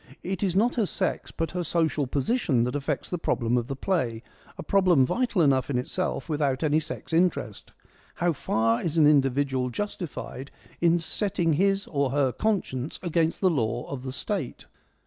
It is not her sex but her social position that affects the problem of the play, a problem vital enough in itself without any sex interest —' How far is an individual justified in iESCHYLUS AND SOPHOCLES 83 setting his or her conscience against the law of the State